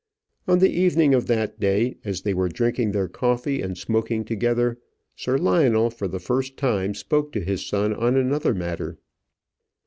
On the evening of that day, as they were drinking their coffee and smoking together, Sir Lionel for the first time spoke to his son on another matter.